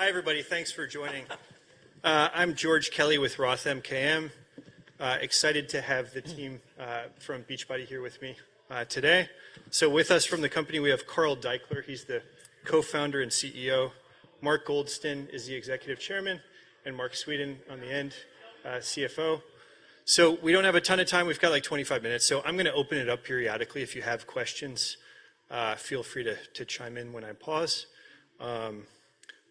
Hi everybody, thanks for joining. I'm George Kelly with Roth MKM, excited to have the team from Beachbody here with me today. So with us from the company, we have Carl Daikeler, he's the Co-founder and CEO, Mark Goldston is the Executive Chairman, and Marc Suidan in the end, CFO. So we don't have a ton of time, we've got like 25 minutes, so I'm going to open it up periodically. If you have questions, feel free to chime in when I pause.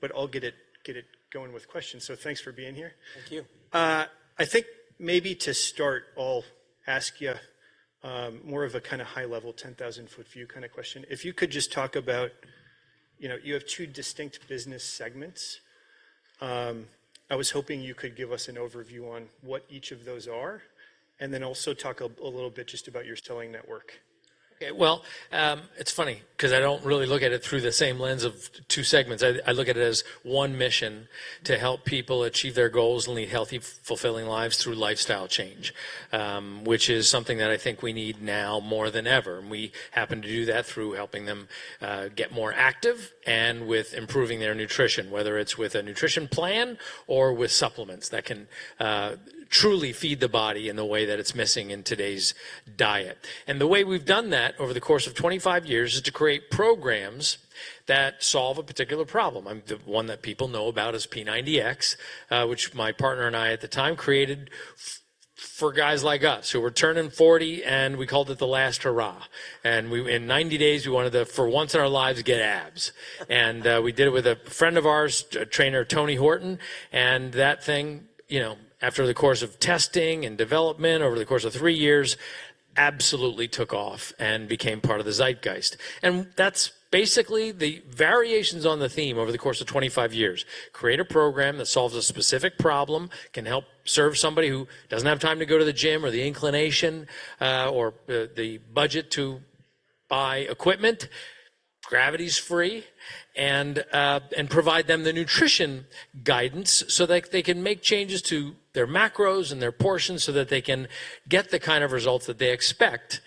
But I'll get it, get it going with questions, so thanks for being here. Thank you. I think maybe to start, I'll ask you, more of a kind of high-level 10,000-foot view kind of question. If you could just talk about, you know, you have two distinct business segments. I was hoping you could give us an overview on what each of those are, and then also talk a little bit just about your selling network? Okay, well, it's funny because I don't really look at it through the same lens of two segments. I, I look at it as one mission to help people achieve their goals and lead healthy, fulfilling lives through lifestyle change, which is something that I think we need now more than ever. And we happen to do that through helping them, get more active and with improving their nutrition, whether it's with a nutrition plan or with supplements that can, truly feed the body in the way that it's missing in today's diet. And the way we've done that over the course of 25 years is to create programs that solve a particular problem. I'm the one that people know about as P90X, which my partner and I at the time created for guys like us who were turning 40, and we called it the last hurrah. We, in 90 days, we wanted to, for once in our lives, get abs. We did it with a friend of ours, a trainer, Tony Horton, and that thing, you know, after the course of testing and development over the course of three years, absolutely took off and became part of the zeitgeist. That's basically the variations on the theme over the course of 25 years. Create a program that solves a specific problem, can help serve somebody who doesn't have time to go to the gym or the inclination, or the budget to buy equipment, gravity's free, and, and provide them the nutrition guidance so that they can make changes to their macros and their portions so that they can get the kind of results that they expect,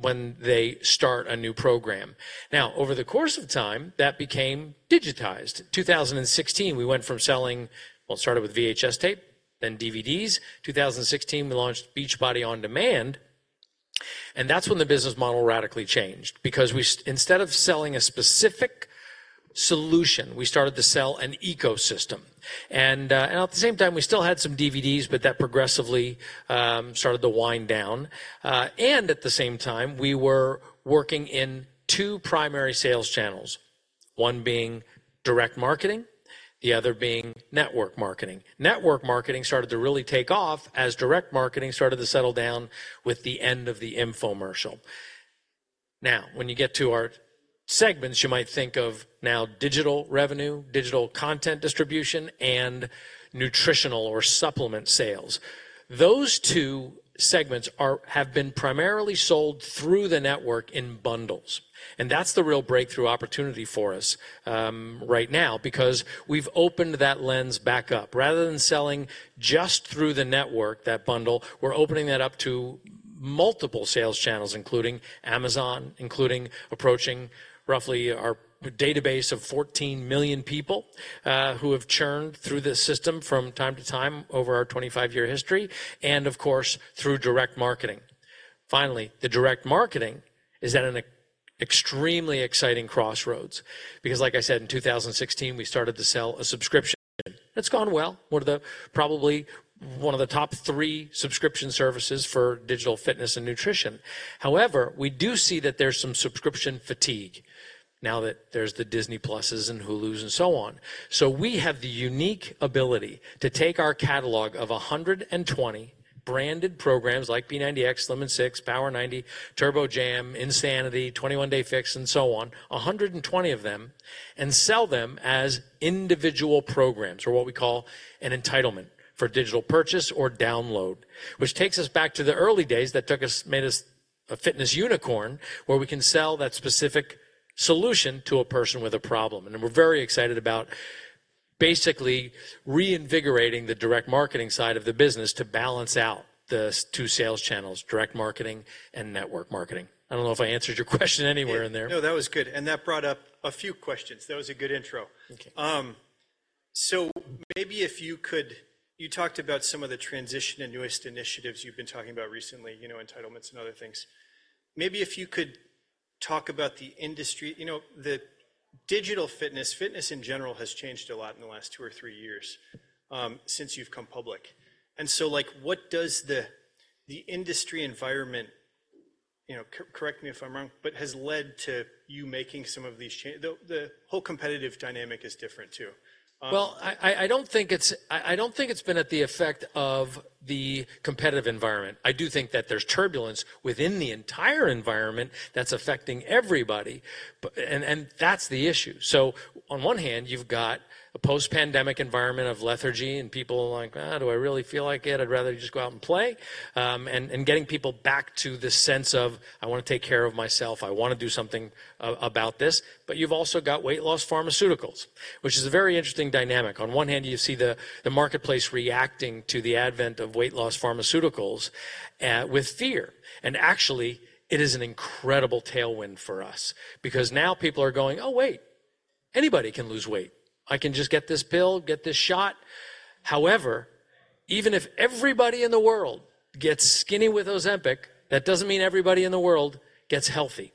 when they start a new program. Now, over the course of time, that became digitized. 2016, we went from selling, well, it started with VHS tape, then DVDs. 2016, we launched Beachbody On Demand. And that's when the business model radically changed because we, instead of selling a specific solution, we started to sell an ecosystem. And at the same time, we still had some DVDs, but that progressively started to wind down. And at the same time, we were working in two primary sales channels, one being direct marketing, the other being network marketing. Network marketing started to really take off as direct marketing started to settle down with the end of the infomercial. Now, when you get to our segments, you might think of our digital revenue, digital content distribution, and nutritional or supplement sales. Those two segments have been primarily sold through the network in bundles. That's the real breakthrough opportunity for us, right now because we've opened that lens back up. Rather than selling just through the network, that bundle, we're opening that up to multiple sales channels, including Amazon, including approaching roughly our database of 14 million people, who have churned through this system from time to time over our 25-year history, and of course, through direct marketing. Finally, the direct marketing is at an extremely exciting crossroads because, like I said, in 2016, we started to sell a subscription that's gone well, one of the probably one of the top three subscription services for digital fitness and nutrition. However, we do see that there's some subscription fatigue now that there's the Disney+ and Hulu and so on. So we have the unique ability to take our catalog of 120 branded programs like P90X, Slim in 6, Power 90, Turbo Jam, Insanity, 21 Day Fix, and so on, 120 of them, and sell them as individual programs or what we call an entitlement for digital purchase or download, which takes us back to the early days that took us made us a fitness unicorn where we can sell that specific solution to a person with a problem. And we're very excited about basically reinvigorating the direct marketing side of the business to balance out the two sales channels, direct marketing and network marketing. I don't know if I answered your question anywhere in there. No, that was good. And that brought up a few questions. That was a good intro. So maybe if you could, you talked about some of the transition and newest initiatives you've been talking about recently, you know, entitlements and other things. Maybe if you could talk about the industry, you know, the digital fitness, fitness in general has changed a lot in the last two or three years, since you've come public. And so, like, what does the industry environment, you know, correct me if I'm wrong, but has led to you making some of these changes? The whole competitive dynamic is different too. Well, I don't think it's been the effect of the competitive environment. I do think that there's turbulence within the entire environment that's affecting everybody, and that's the issue. So on one hand, you've got a post-pandemic environment of lethargy and people like, "Do I really feel like it? I'd rather just go out and play," and getting people back to this sense of, "I want to take care of myself. I want to do something about this." But you've also got weight loss pharmaceuticals, which is a very interesting dynamic. On one hand, you see the marketplace reacting to the advent of weight loss pharmaceuticals, with fear. And actually, it is an incredible tailwind for us because now people are going, "Oh, wait. Anybody can lose weight. I can just get this pill, get this shot." However, even if everybody in the world gets skinny with Ozempic, that doesn't mean everybody in the world gets healthy.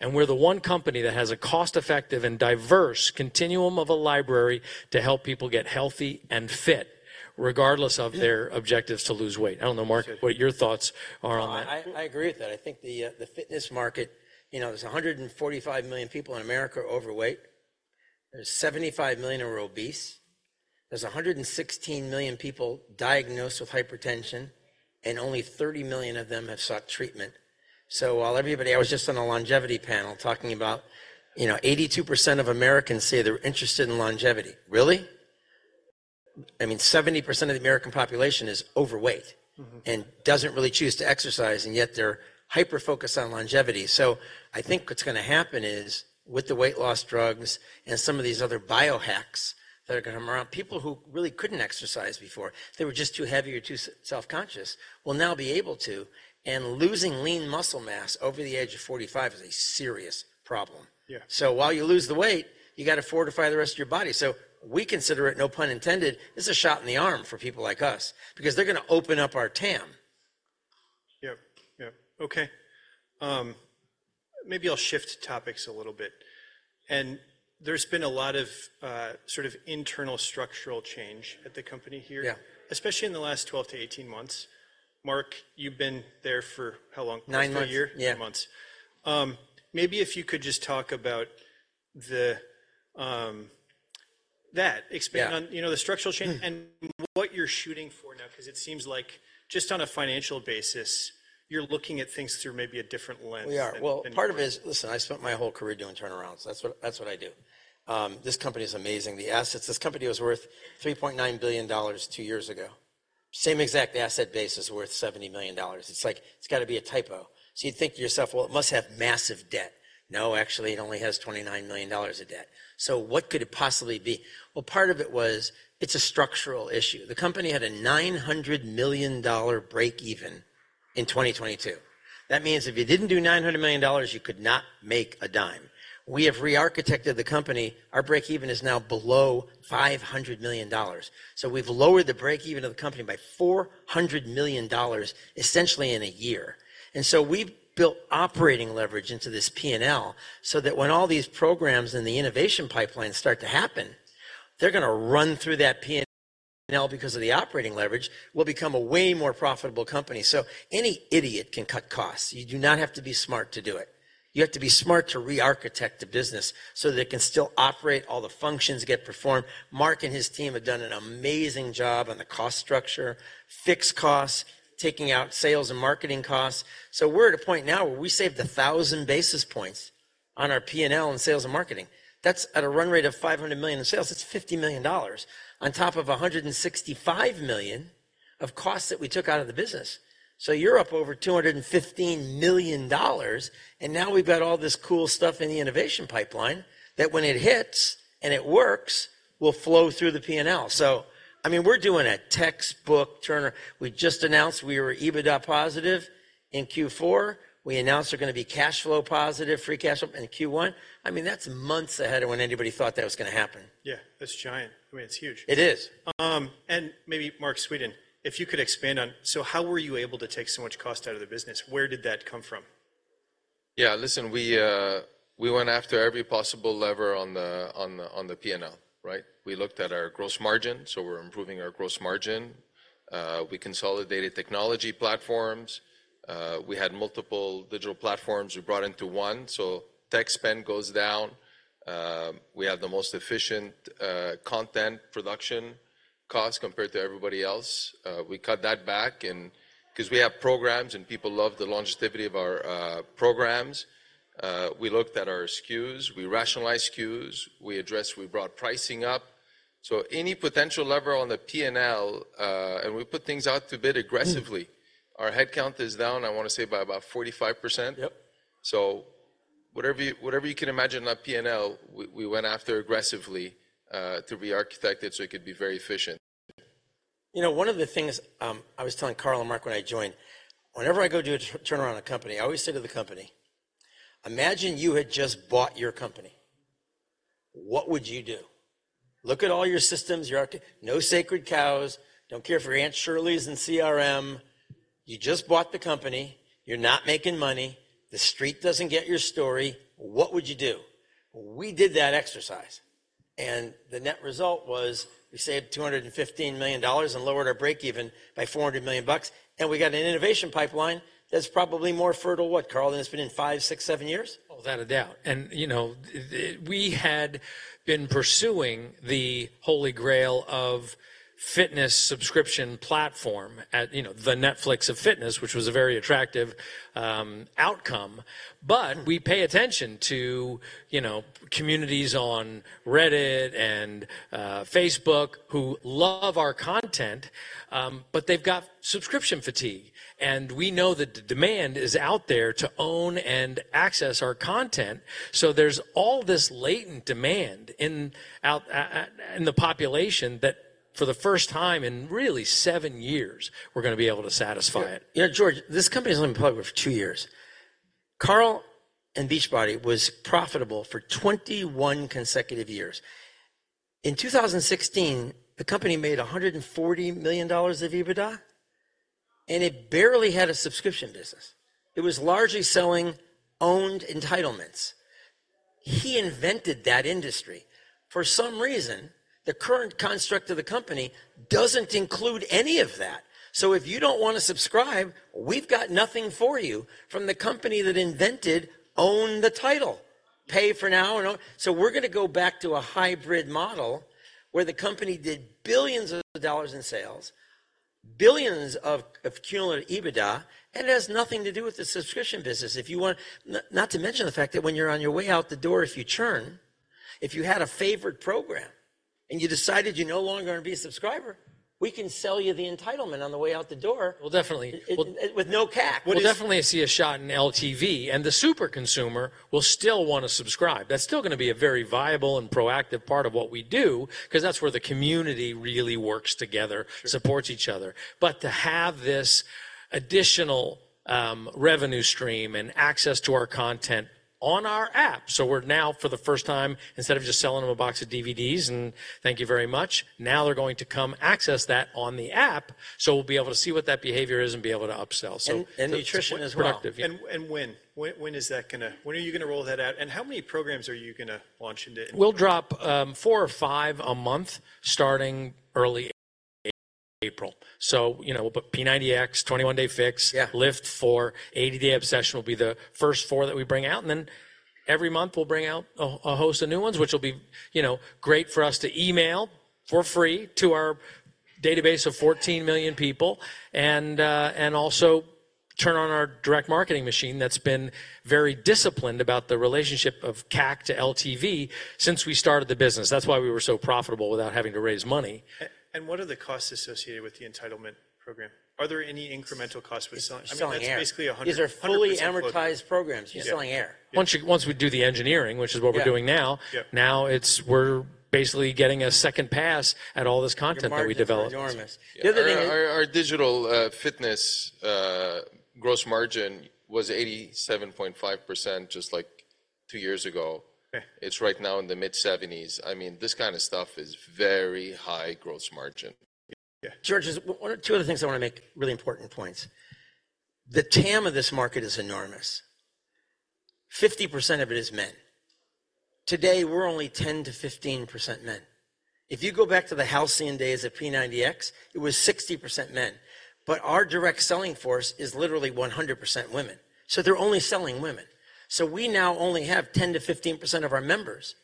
And we're the one company that has a cost-effective and diverse continuum of a library to help people get healthy and fit, regardless of their objectives to lose weight. I don't know, Mark, what your thoughts are on that. Well, I agree with that. I think the fitness market, you know, there's 145 million people in America overweight. There's 75 million who are obese. There's 116 million people diagnosed with hypertension, and only 30 million of them have sought treatment. So while everybody, I was just on a longevity panel talking about, you know, 82% of Americans say they're interested in longevity. Really? I mean, 70% of the American population is overweight and doesn't really choose to exercise, and yet they're hyper-focused on longevity. So I think what's going to happen is with the weight loss drugs and some of these other biohacks that are going to come around, people who really couldn't exercise before, they were just too heavy or too self-conscious, will now be able to. And losing lean muscle mass over the age of 45 is a serious problem. While you lose the weight, you got to fortify the rest of your body. We consider it, no pun intended, this is a shot in the arm for people like us because they're going to open up our TAM. Yep, yep. Okay. Maybe I'll shift topics a little bit. There's been a lot of, sort of, internal structural change at the company here, especially in the last 12-18 months. Mark, you've been there for how long? Nine months. 4 years, 4 months. Maybe if you could just talk about that, expand on, you know, the structural change and what you're shooting for now because it seems like just on a financial basis, you're looking at things through maybe a different lens. We are. Well, part of it is, listen, I spent my whole career doing turnarounds. That's what, that's what I do. This company is amazing. The assets, this company was worth $3.9 billion two years ago. Same exact asset base is worth $70 million. It's like, it's got to be a typo. So you'd think to yourself, well, it must have massive debt. No, actually, it only has $29 million of debt. So what could it possibly be? Well, part of it was it's a structural issue. The company had a $900 million break-even in 2022. That means if you didn't do $900 million, you could not make a dime. We have re-architected the company. Our break-even is now below $500 million. So we've lowered the break-even of the company by $400 million essentially in a year. So we've built operating leverage into this P&L so that when all these programs and the innovation pipelines start to happen, they're going to run through that P&L because of the operating leverage. We'll become a way more profitable company. Any idiot can cut costs. You do not have to be smart to do it. You have to be smart to re-architect the business so that it can still operate, all the functions get performed. Mark and his team have done an amazing job on the cost structure, fixed costs, taking out sales and marketing costs. We're at a point now where we saved 1,000 basis points on our P&L and sales and marketing. That's at a run rate of $500 million in sales. That's $50 million on top of $165 million of costs that we took out of the business. So you're up over $215 million, and now we've got all this cool stuff in the innovation pipeline that when it hits and it works, will flow through the P&L. So, I mean, we're doing a textbook turnaround. We just announced we were EBITDA positive in Q4. We announced we're going to be cash flow positive, free cash flow in Q1. I mean, that's months ahead of when anybody thought that was going to happen. Yeah, that's giant. I mean, it's huge. It is. Maybe Marc Suidan, if you could expand on, so how were you able to take so much cost out of the business? Where did that come from? Yeah, listen, we went after every possible lever on the P&L, right? We looked at our gross margin, so we're improving our gross margin. We consolidated technology platforms. We had multiple digital platforms we brought into one, so tech spend goes down. We have the most efficient content production costs compared to everybody else. We cut that back and because we have programs and people love the longevity of our programs. We looked at our SKUs. We rationalized SKUs. We addressed, we brought pricing up. So any potential lever on the P&L, and we put things out to bid aggressively. Our headcount is down, I want to say, by about 45%. Yep. Whatever you can imagine on that P&L, we went after aggressively to re-architect it so it could be very efficient. You know, one of the things, I was telling Carl and Marc when I joined, whenever I go do a turnaround on a company, I always say to the company, "Imagine you had just bought your company. What would you do? Look at all your systems, your architecture, no sacred cows, don't care for Aunt Shirley's and CRM. You just bought the company. You're not making money. The street doesn't get your story. What would you do?" We did that exercise, and the net result was we saved $215 million and lowered our break-even by $400 million. And we got an innovation pipeline that's probably more fertile, what, Carl, than it's been in five, six, seven years? Without a doubt. We had been pursuing the holy grail of fitness subscription platform, you know, the Netflix of fitness, which was a very attractive outcome. But we pay attention to, you know, communities on Reddit and Facebook who love our content, but they've got subscription fatigue. We know that the demand is out there to own and access our content. So there's all this latent demand in the population that for the first time in really seven years, we're going to be able to satisfy it. Yeah, George, this company has only been public for two years. Carl and Beachbody was profitable for 21 consecutive years. In 2016, the company made $140 million of EBITDA, and it barely had a subscription business. It was largely selling owned entitlements. He invented that industry. For some reason, the current construct of the company doesn't include any of that. So if you don't want to subscribe, we've got nothing for you from the company that invented own the title, pay for now, and own. So we're going to go back to a hybrid model where the company did billions of dollars in sales, billions of accumulated EBITDA, and it has nothing to do with the subscription business. If you want, not to mention the fact that when you're on your way out the door, if you churn, if you had a favorite program and you decided you no longer want to be a subscriber, we can sell you the entitlement on the way out the door. Well, definitely. With no CAC. We'll definitely see a shot in LTV, and the super consumer will still want to subscribe. That's still going to be a very viable and proactive part of what we do because that's where the community really works together, supports each other. But to have this additional revenue stream and access to our content on our app. So we're now, for the first time, instead of just selling them a box of DVDs and thank you very much, now they're going to come access that on the app. So we'll be able to see what that behavior is and be able to upsell. Nutrition as well. And productive. And when? When is that going to, when are you going to roll that out? And how many programs are you going to launch into? We'll drop four or five a month starting early April. So, you know, we'll put P90X, 21 Day Fix, LIIFT4, 80 Day Obsession will be the first four that we bring out. And then every month we'll bring out a host of new ones, which will be, you know, great for us to email for free to our database of 14 million people and also turn on our direct marketing machine that's been very disciplined about the relationship of CAC to LTV since we started the business. That's why we were so profitable without having to raise money. What are the costs associated with the entitlement program? Are there any incremental costs with selling? I mean, it's basically 100. Is there fully amortized programs? You're selling air. Once we do the engineering, which is what we're doing now, now it's, we're basically getting a second pass at all this content that we develop. The other thing is. Our digital fitness gross margin was 87.5% just like two years ago. It's right now in the mid-70s. I mean, this kind of stuff is very high gross margin. Yeah. George, there's one or two other things I want to make really important points. The TAM of this market is enormous. 50% of it is men. Today, we're only 10%-15% men. If you go back to the halcyon days of P90X, it was 60% men. But our direct selling force is literally 100% women. So they're only selling women. So we now only have 10%-15% of our members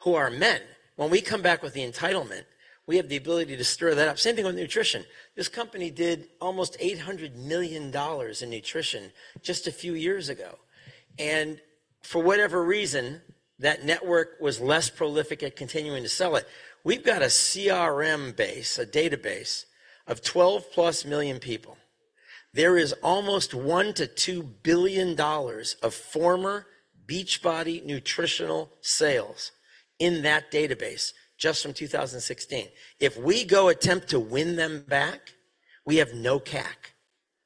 who are men. When we come back with the entitlement, we have the ability to stir that up. Same thing with nutrition. This company did almost $800 million in nutrition just a few years ago. For whatever reason, that network was less prolific at continuing to sell it. We've got a CRM base, a database of 12+ million people. There is almost $1 billion-$2 billion of former Beachbody nutritional sales in that database just from 2016. If we go attempt to win them back, we have no CAC.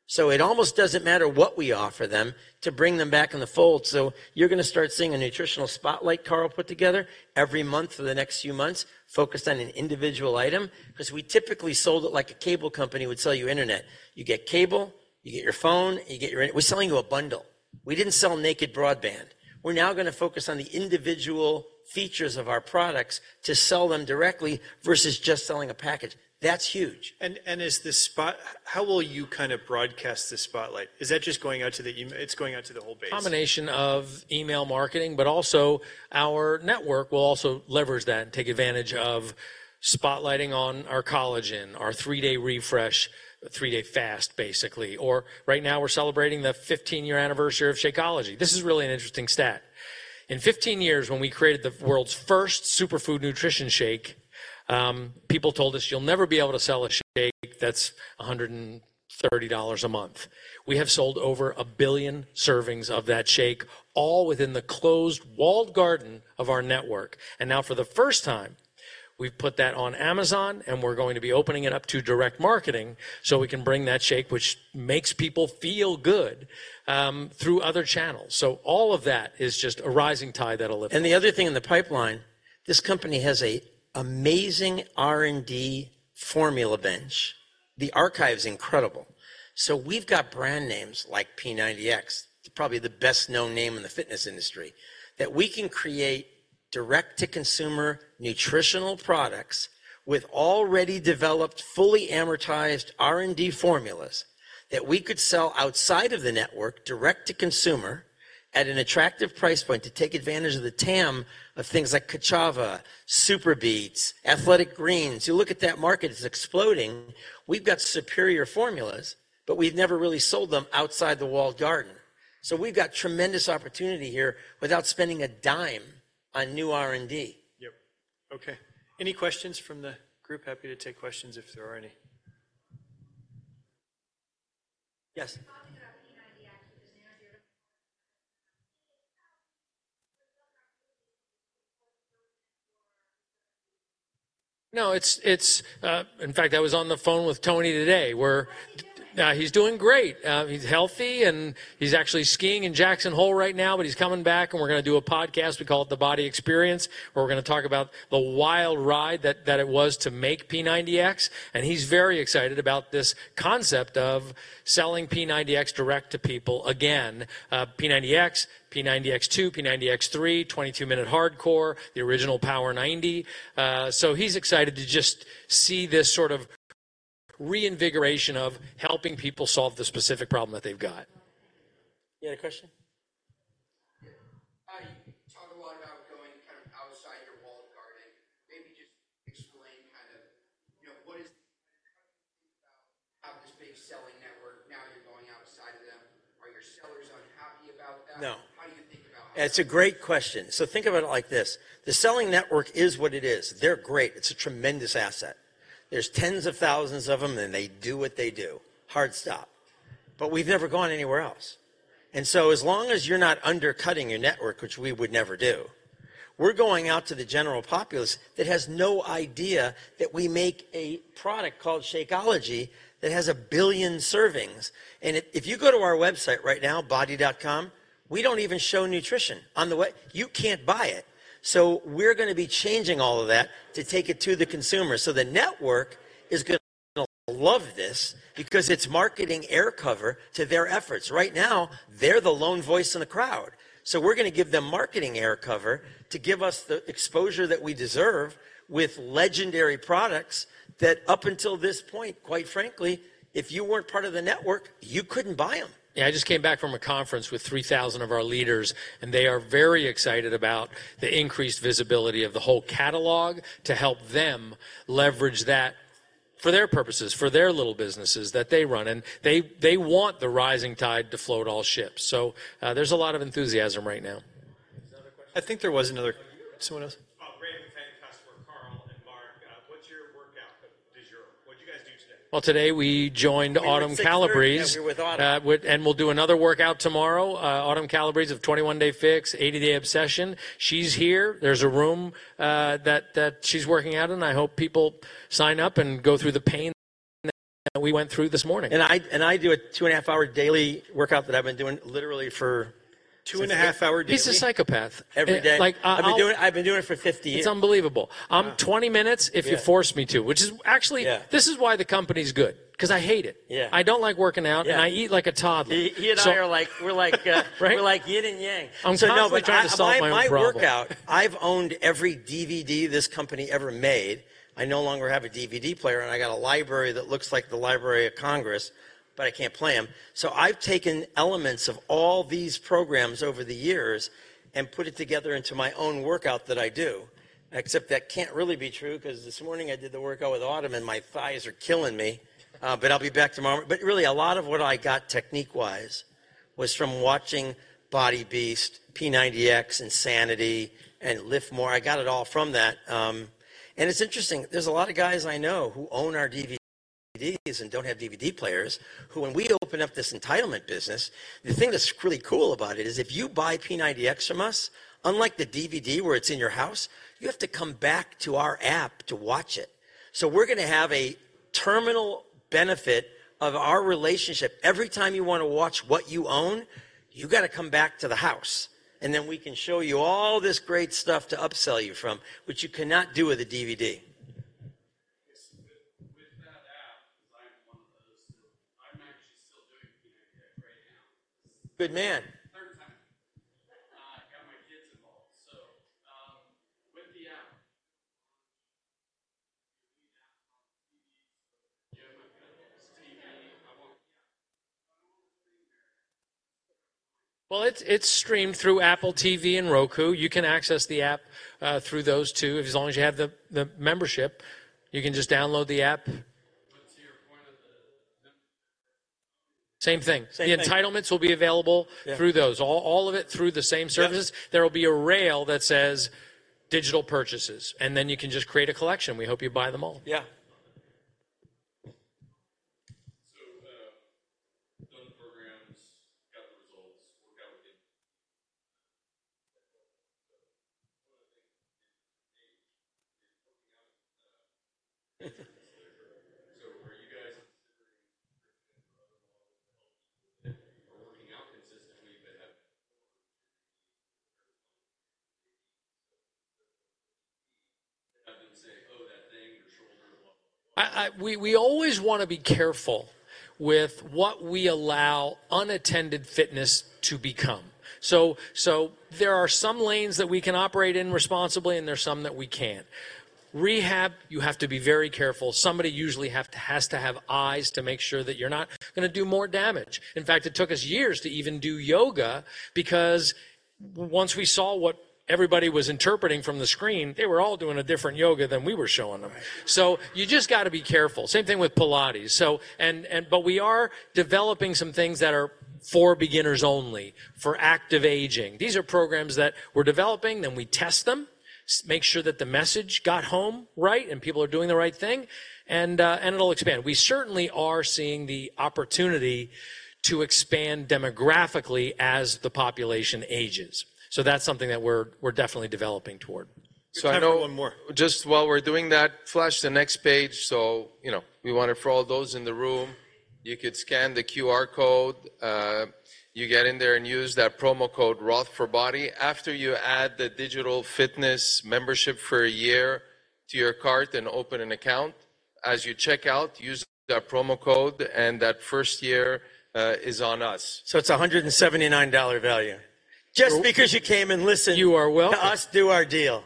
So it almost doesn't matter what we offer them to bring them back in the fold. So you're going to start seeing a nutritional spotlight Carl put together every month for the next few months focused on an individual item because we typically sold it like a cable company would sell you internet. You get cable, you get your phone, you get your internet. We're selling you a bundle. We didn't sell naked broadband. We're now going to focus on the individual features of our products to sell them directly versus just selling a package. That's huge. Is this spot, how will you kind of broadcast this spotlight? Is that just going out to the, it's going out to the whole base? Combination of email marketing, but also our network will also leverage that and take advantage of spotlighting on our collagen, our 3-Day Refresh, three-day fast, basically. Or right now we're celebrating the 15-year anniversary of Shakeology. This is really an interesting stat. In 15 years, when we created the world's first superfood nutrition shake, people told us you'll never be able to sell a shake that's $130 a month. We have sold over 1 billion servings of that shake, all within the closed walled garden of our network. And now for the first time, we've put that on Amazon and we're going to be opening it up to direct marketing so we can bring that shake, which makes people feel good, through other channels. So all of that is just a rising tide that'll lift up. The other thing in the pipeline, this company has an amazing R&D formula bench. The archive's incredible. So we've got brand names like P90X, probably the best-known name in the fitness industry, that we can create direct-to-consumer nutritional products with already developed fully amortized R&D formulas that we could sell outside of the network, direct-to-consumer, at an attractive price point to take advantage of the TAM of things like Ka'Chava, SuperBeats, Athletic Greens. You look at that market, it's exploding. We've got superior formulas, but we've never really sold them outside the walled garden. So we've got tremendous opportunity here without spending a dime on new R&D. Yep. Okay. Any questions from the group? Happy to take questions if there are any. Yes. No, it's in fact, I was on the phone with Tony today, where he's doing great. He's healthy and he's actually skiing in Jackson Hole right now, but he's coming back and we're going to do a podcast. We call it The Body Experience, where we're going to talk about the wild ride that it was to make P90X. And he's very excited about this concept of selling P90X direct to people again. P90X, P90X2, P90X3, 22 Minute Hard Corps, the original Power 90. So he's excited to just see this sort of reinvigoration of helping people solve the specific problem that they've got. You had a question? You talk a lot about going kind of outside your walled garden. Maybe just explain kind of, you know, what it is, how do you think about it. Have this big selling network, now you're going outside of them. Are your sellers unhappy about that? No. How do you think about how? It's a great question. So think about it like this. The selling network is what it is. They're great. It's a tremendous asset. There's tens of thousands of them and they do what they do. Hard stop. But we've never gone anywhere else. And so as long as you're not undercutting your network, which we would never do, we're going out to the general populace that has no idea that we make a product called Shakeology that has 1 billion servings. And if you go to our website right now, bod.com, we don't even show nutrition on the way. You can't buy it. So we're going to be changing all of that to take it to the consumer. So the network is going to love this because it's marketing air cover to their efforts. Right now, they're the lone voice in the crowd. So we're going to give them marketing air cover to give us the exposure that we deserve with legendary products that up until this point, quite frankly, if you weren't part of the network, you couldn't buy them. Yeah, I just came back from a conference with 3,000 of our leaders and they are very excited about the increased visibility of the whole catalog to help them leverage that for their purposes, for their little businesses that they run. And they, they want the rising tide to float all ships. So, there's a lot of enthusiasm right now. Is there another question? I think there was another. Someone else? Oh, great. We've had customer Carl and Mark. What's your workout? What'd you guys do today? Well, today we joined Autumn Calabrese and we'll do another workout tomorrow. Autumn Calabrese of 21 Day Fix, 80 Day Obsession. She's here. There's a room that she's working out in. I hope people sign up and go through the pain that we went through this morning. I do a 2.5-hour daily workout that I've been doing literally for 2.5-hour daily. He's a psychopath. Every day. Like, I've been doing it, I've been doing it for 50 years. It's unbelievable. I'm 20 minutes if you force me to, which is actually, this is why the company's good. Because I hate it. Yeah, I don't like working out and I eat like a toddler. He and I are like, we're like, we're like yin and yang. Nobody's trying to solve my own problem. My workout, I've owned every DVD this company ever made. I no longer have a DVD player and I got a library that looks like the Library of Congress, but I can't play them. So I've taken elements of all these programs over the years and put it together into my own workout that I do. Except that can't really be true because this morning I did the workout with Autumn and my thighs are killing me. But I'll be back tomorrow. But really a lot of what I got technique-wise was from watching Body Beast, P90X, Insanity, and LIIFT MORE. I got it all from that. And it's interesting. There's a lot of guys I know who own our DVDs and don't have DVD players who, when we open up this entitlement business, the thing that's really cool about it is if you buy P90X from us, unlike the DVD where it's in your house, you have to come back to our app to watch it. So we're going to have a terminal benefit of our relationship. Every time you want to watch what you own, you got to come back to the house. And then we can show you all this great stuff to upsell you from, which you cannot do with a DVD. Yes. With that app, because I'm one of those that I'm actually still doing P90X right now. Good man. Third time. Got my kids involved. So, with the app. Yeah, I'm not going to have this TV. I want. Well, it's streamed through Apple TV and Roku. You can access the app through those two as long as you have the membership. You can just download the app. To your point of the membership. Same thing. The entitlements will be available through those. All, all of it through the same services. There'll be a rail that says digital purchases and then you can just create a collection. We hope you buy them all. Yeah. So, done the programs, got the results, worked out with the. One of the things is the age, is working out. So are you guys considering nutrition or other models to help people that are working out consistently, but have had more nutrition in comparison to maybe some typical PT to have them say, "Oh, that thing, your shoulder, blah, blah, blah"? We always want to be careful with what we allow unattended fitness to become. So there are some lanes that we can operate in responsibly and there's some that we can't. Rehab, you have to be very careful. Somebody usually has to have eyes to make sure that you're not going to do more damage. In fact, it took us years to even do yoga because once we saw what everybody was interpreting from the screen, they were all doing a different yoga than we were showing them. So you just got to be careful. Same thing with Pilates. So, but we are developing some things that are for beginners only, for active aging. These are programs that we're developing. Then we test them, make sure that the message got home right and people are doing the right thing. And it'll expand. We certainly are seeing the opportunity to expand demographically as the population ages. So that's something that we're definitely developing toward. So I know one more. Just while we're doing that, flash the next page. So, you know, we wanted for all those in the room, you could scan the QR code. You get in there and use that promo code Roth4Body after you add the digital fitness membership for a year to your cart and open an account. As you check out, use that promo code and that first year is on us. So it's $179 value. Just because you came and listened. You are welcome. To us do our deal.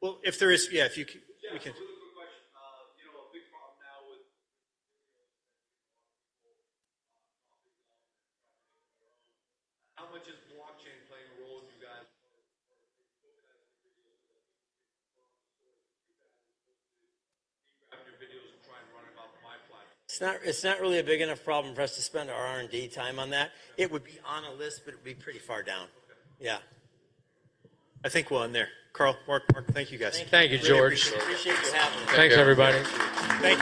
Well, if there is, yeah, if you can, we can. Just a